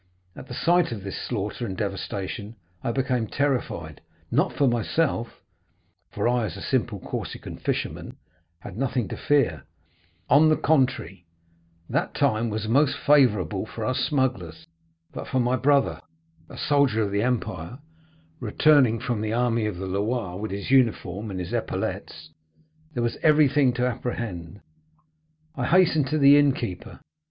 At the sight of this slaughter and devastation I became terrified, not for myself—for I, a simple Corsican fisherman, had nothing to fear; on the contrary, that time was most favorable for us smugglers—but for my brother, a soldier of the empire, returning from the army of the Loire, with his uniform and his epaulets, there was everything to apprehend. I hastened to the innkeeper.